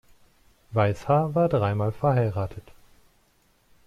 Weishaar war dreimal verheiratet.